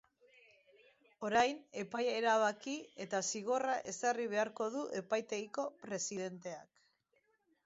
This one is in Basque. Orain, epaia erabaki eta zigorra ezarri beharko du epaitegiko presidenteak.